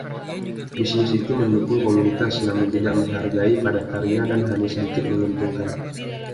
Bisnis itu mendukung komunitas, namun tidak menghargai padat karya dan hanya sedikit menguntungkan.